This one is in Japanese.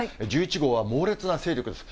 １１号は猛烈な勢力です。